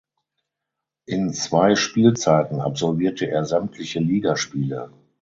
In zwei Spielzeiten absolvierte er sämtliche Ligaspiele.